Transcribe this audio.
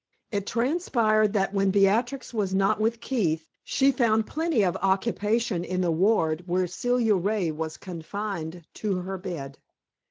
It transpired that when Beatrix was not with Keith, she found plenty of occupation in the ward where Celia Ray was confined to her bed.